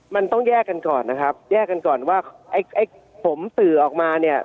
มันต้องแยกกันก่อนนะครับแยกกันก่อนว่าไอ้ไอ้ผมสื่อออกมาเนี่ย